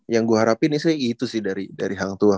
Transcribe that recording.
yang gue harapin sih itu sih dari hang tua